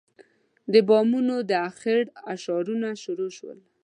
د بامونو د اخېړ اشارونه شروع شول.